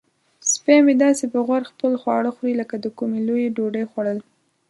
سپی مې داسې په غور خپل خواړه خوري لکه د کومې لویې ډوډۍ خوړل.